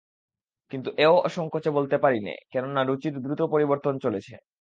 কিন্তু এও অসংকোচে বলতে পারি নে, কেননা রুচির দ্রুত পরিবর্তন চলেছে।